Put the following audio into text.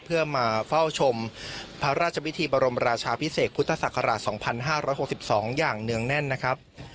เพื่อมาเฝ้าชมพระราชพิธีบรมราชาพิเศษพุทธศักราช๒๕๖๒อย่างเนื่องแน่นนะครับ